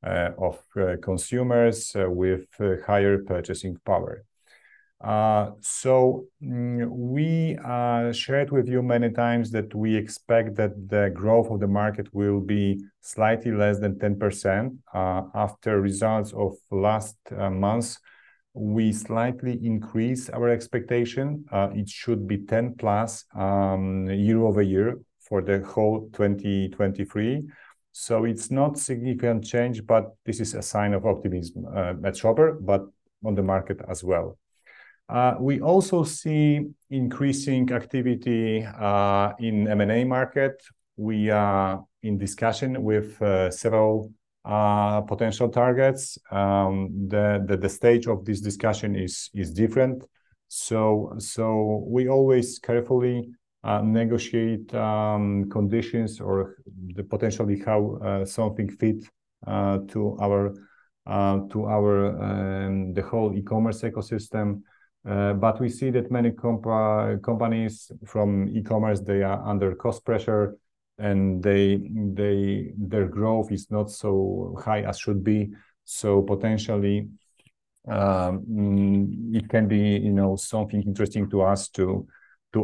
of consumers with higher purchasing power. We shared with you many times that we expect that the growth of the market will be slightly less than 10%. After results of last months, we slightly increase our expectation. It should be 10%+ year-over-year for the whole 2023. It's not significant change, but this is a sign of optimism at Shoper, but on the market as well. We also see increasing activity in M&A market. We are in discussion with several potential targets. The stage of this discussion is different. We always carefully negotiate conditions or the potentially how something fit to our the whole e-commerce ecosystem. We see that many companies from e-commerce, they are under cost pressure, and they their growth is not so high as should be. Potentially it can be, you know, something interesting to us to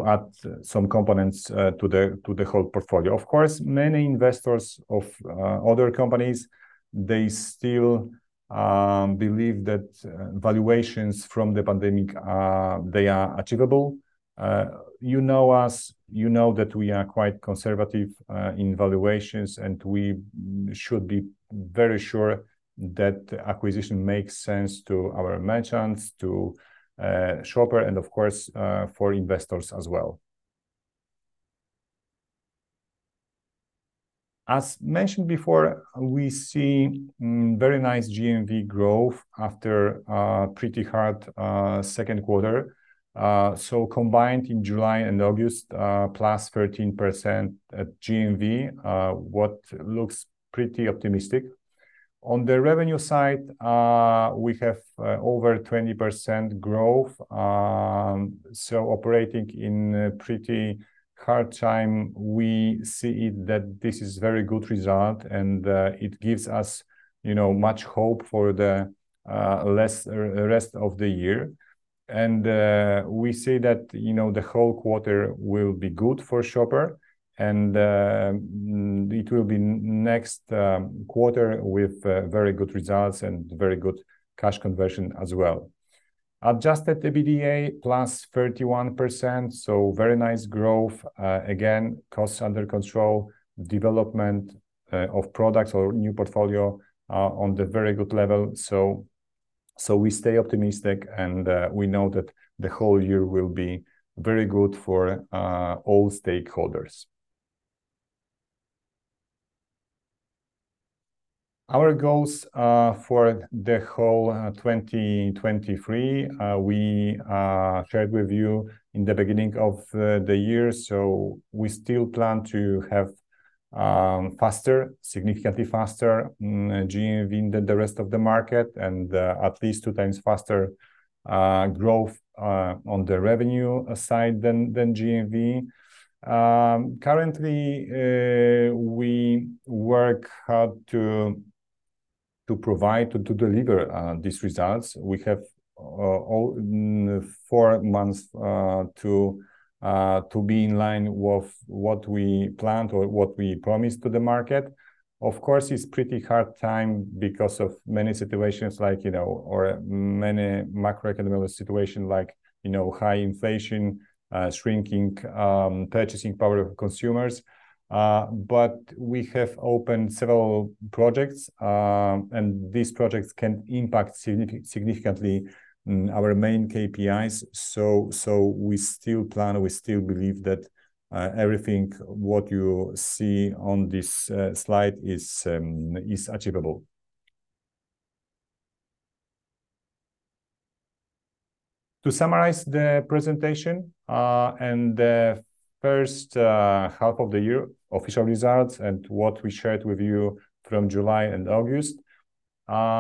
add some components to the whole portfolio. Of course, many investors of other companies, they still believe that valuations from the pandemic, they are achievable. You know us, you know that we are quite conservative in valuations, and we should be very sure that acquisition makes sense to our merchants, to Shoper, and of course, for investors as well. As mentioned before, we see very nice GMV growth after a pretty hard second quarter. Combined in July and August, +13% at GMV, what looks pretty optimistic. On the revenue side, we have over 20% growth. Operating in a pretty hard time, we see it that this is very good result and it gives us, you know, much hope for the rest of the year. We see that, you know, the whole quarter will be good for Shoper and it will be next quarter with very good results and very good cash conversion as well. Adjusted EBITDA +31%, so very nice growth. Again, costs under control, development of products or new portfolio on the very good level. We stay optimistic, and we know that the whole year will be very good for all stakeholders. Our goals for the whole 2023 we shared with you in the beginning of the year. We still plan to have significantly faster GMV than the rest of the market and at least 2 times faster growth on the revenue side than GMV. Currently, we work hard to provide to deliver these results. We have all four months to be in line with what we planned or what we promised to the market. Of course, it's pretty hard time because of many situations like, you know, or many macroeconomic situation like, you know, high inflation, shrinking purchasing power of consumers. We have opened several projects and these projects can impact significantly our main KPIs. We still plan, we still believe that everything what you see on this slide is achievable. To summarize the presentation and the first half of the year official results and what we shared with you from July and August,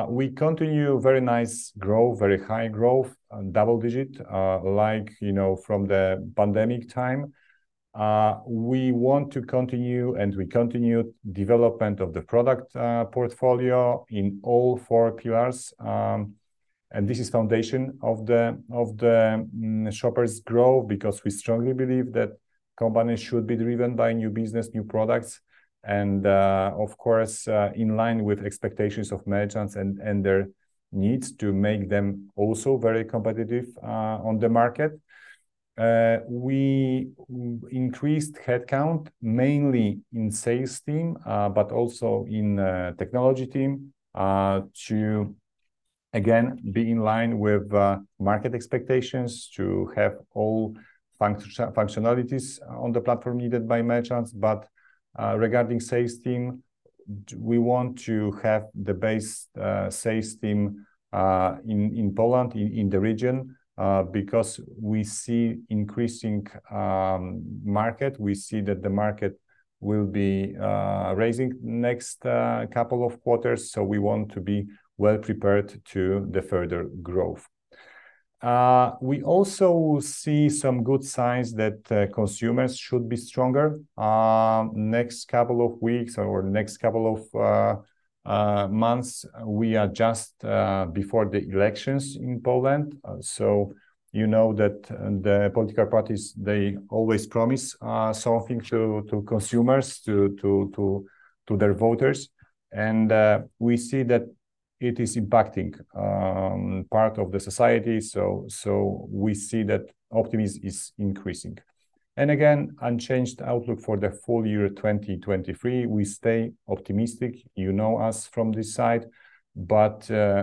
we continue very nice growth, very high growth on double digit, like, you know, from the pandemic time. We want to continue and we continued development of the product portfolio in all four quarters, and this is foundation of the Shoper's growth, because we strongly believe that companies should be driven by new business, new products, and of course, in line with expectations of merchants and their needs to make them also very competitive on the market. We increased headcount mainly in sales team, but also in technology team, to again be in line with market expectations to have all functionalities on the platform needed by merchants. Regarding sales team, we want to have the best sales team in Poland, in the region, because we see increasing market. We see that the market will be rising next couple of quarters, so we want to be well prepared to the further growth. We also see some good signs that consumers should be stronger next couple of weeks or next couple of months. We are just before the elections in Poland, so you know that the political parties, they always promise something to their voters. We see that it is impacting part of the society, so we see that optimism is increasing. Again, unchanged outlook for the full year 2023. We stay optimistic. You know us from this side.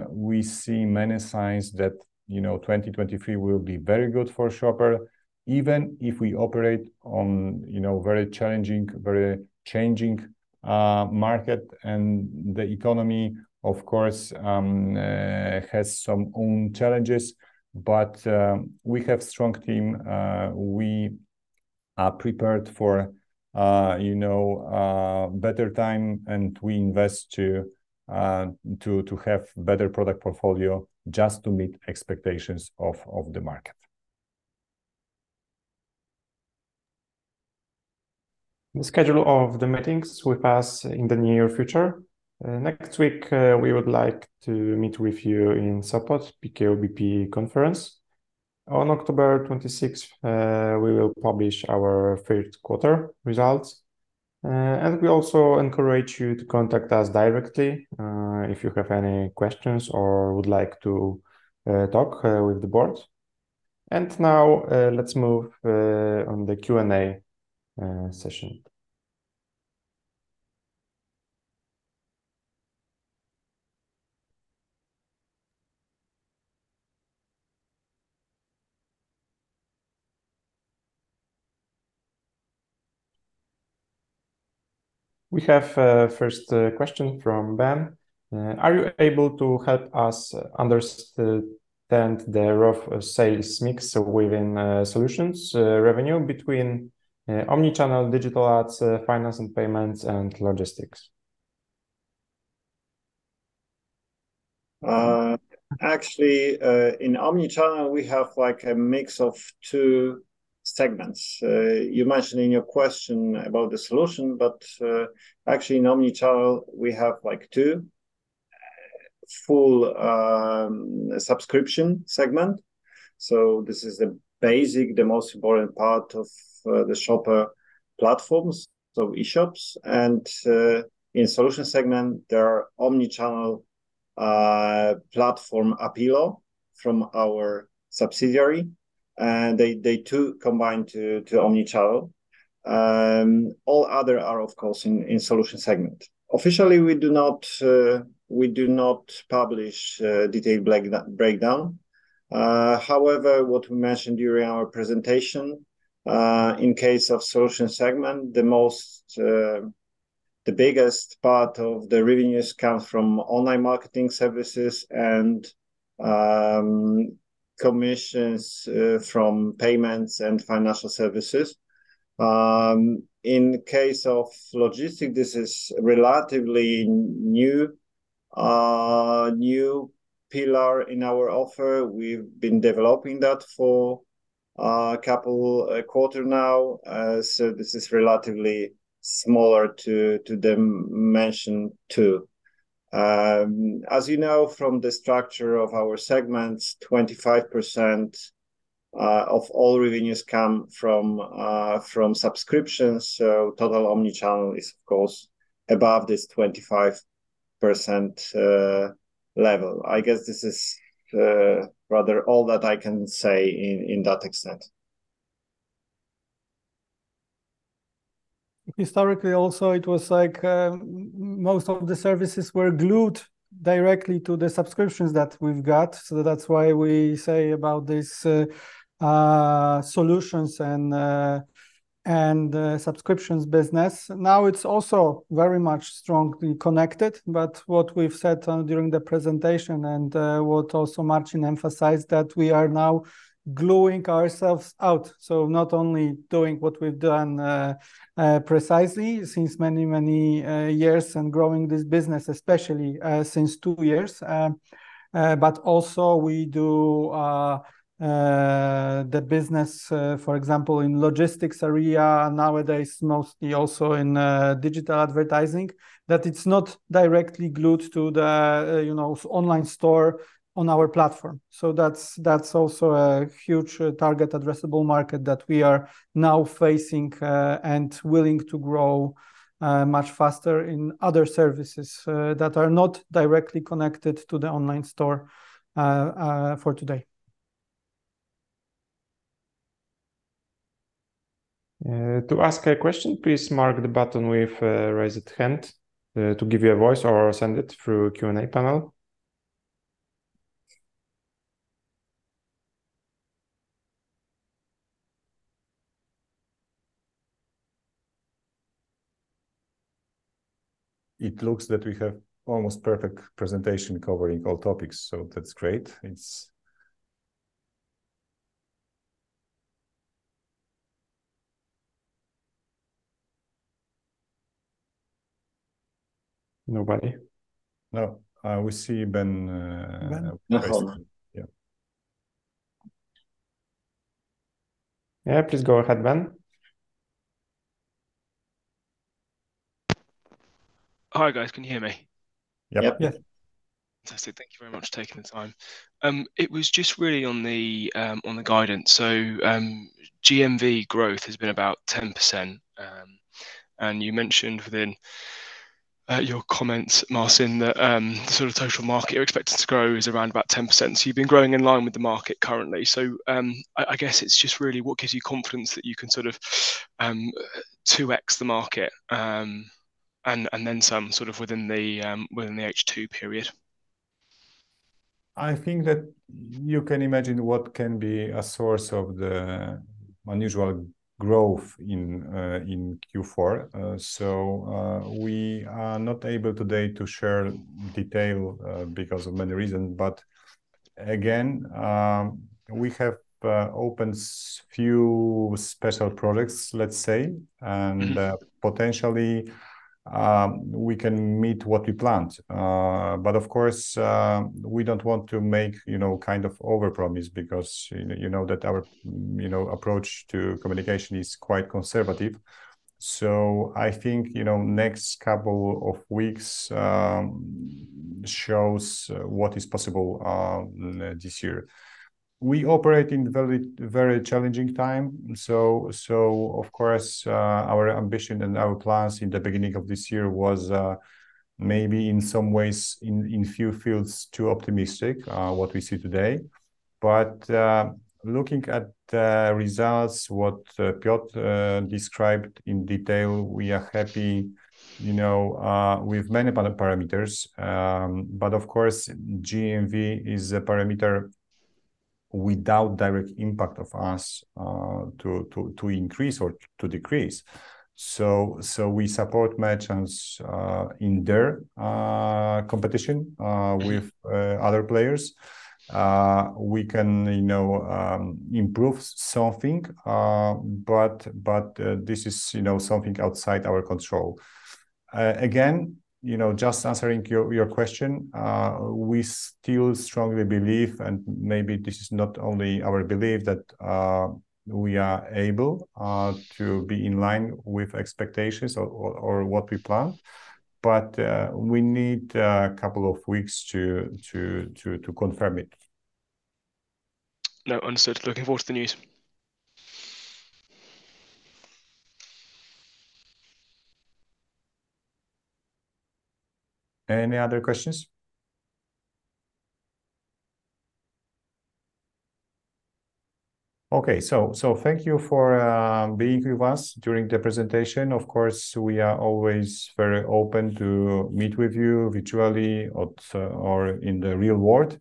We see many signs that, you know, 2023 will be very good for Shoper, even if we operate on, you know, very challenging, very changing market. The economy, of course, has some own challenges, but we have strong team. We are prepared for, you know, better time, and we invest to have better product portfolio just to meet expectations of the market. The schedule of the meetings with us in the near future. Next week, we would like to meet with you in Sopot, PKO BP conference. On October 26, we will publish our third quarter results. We also encourage you to contact us directly if you have any questions or would like to talk with the board. Now, let's move on to the Q&A session. We have first question from Ben. Are you able to help us understand the rough sales mix within solutions revenue between omnichannel, digital ads, finance and payments, and logistics? Actually, in omnichannel, we have, like, a mix of two segments. You mentioned in your question about the solution, but actually, in omnichannel, we have, like, two full subscription segment. This is the basic, the most important part of the Shoper platforms, so e-shops. In solution segment, there are omnichannel platform Apilo from our subsidiary, and they two combine to omnichannel. All other are, of course, in solution segment. Officially, we do not publish detailed breakdown. However, what we mentioned during our presentation, in case of solution segment, the biggest part of the revenues comes from online marketing services and commissions from payments and financial services. In case of logistics, this is relatively new pillar in our offer. We've been developing that for a couple quarters now, so this is relatively smaller to the mention tool. As you know from the structure of our segments, 25% of all revenues come from subscriptions. Total omnichannel is of course above this 25% level. I guess this is rather all that I can say in that extent. Historically also, it was like most of the services were glued directly to the subscriptions that we've got, so that's why we say about this solutions and subscriptions business. Now, it's also very much strongly connected, but what we've said during the presentation and what also Marcin emphasized, that we are now gluing ourselves out, so not only doing what we've done precisely since many years and growing this business, especially since two years. Also we do the business, for example, in logistics area nowadays, mostly also in digital advertising, that it's not directly glued to the you know, online store on our platform. That's also a huge target addressable market that we are now facing and willing to grow much faster in other services that are not directly connected to the online store for today. To ask a question, please mark the button with raised hand to give you a voice or send it through Q&A panel. It looks like we have almost perfect presentation covering all topics, so that's great. Nobody? No. We see Ben. Ben Yeah, please go ahead, Ben. Hi, guys. Can you hear me? Yep. Yeah. Fantastic. Thank you very much for taking the time. It was just really on the guidance. GMV growth has been about 10%, and you mentioned within your comments, Marcin, that the sort of total market you're expected to grow is around 10%, so you've been growing in line with the market currently. I guess it's just really what gives you confidence that you can sort of 2x the market, and then some sort of within the H2 period? I think that you can imagine what can be a source of the unusual growth in Q4. We are not able today to share detail because of many reason. Again, we have opened few special products, let's say, and. Mm-hmm. Potentially, we can meet what we planned. Of course, we don't want to make, you know, kind of overpromise because you know that our, you know, approach to communication is quite conservative. I think, you know, next couple of weeks shows what is possible this year. We operate in very, very challenging time. Of course, our ambition and our plans in the beginning of this year was maybe in some ways, in few fields, too optimistic what we see today. Looking at the results, what Piotr described in detail, we are happy, you know, with many parameters. Of course, GMV is a parameter without direct impact of us to increase or to decrease. We support merchants in their competition with other players. We can, you know, improve something. This is, you know, something outside our control. Again, you know, just answering your question, we still strongly believe, and maybe this is not only our belief, that we are able to be in line with expectations or what we planned, we need a couple of weeks to confirm it. No, understood. Looking forward to the news. Any other questions? Thank you for being with us during the presentation. Of course, we are always very open to meet with you virtually or in the real world.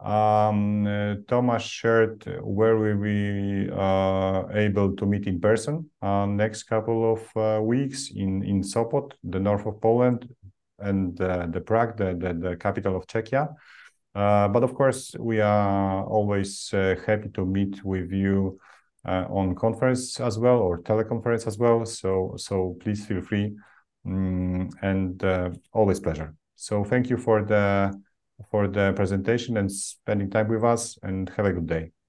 Tomasz shared where we are able to meet in person next couple of weeks in Sopot, the north of Poland, and Prague, the capital of Czechia. Of course, we are always happy to meet with you on conference as well, or teleconference as well. Please feel free. Always pleasure. Thank you for the presentation and spending time with us, have a good day.